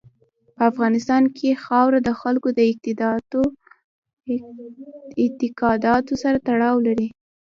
په افغانستان کې خاوره د خلکو د اعتقاداتو سره تړاو لري.